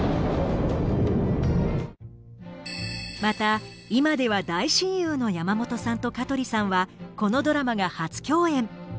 また今では大親友の山本さんと香取さんはこのドラマが初共演。